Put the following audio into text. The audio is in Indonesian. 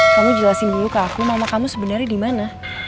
kamu jelasin dulu ke aku mama kamu sebenernya dimana